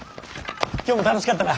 今日も楽しかったな。